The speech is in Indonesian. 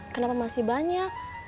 kenapa masih banyak